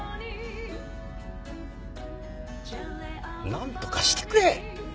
なんとかしてくれ！